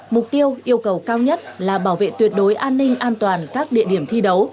mục tiêu yêu cầu cao nhất là bảo vệ tuyệt đối an ninh an toàn các địa điểm thi đấu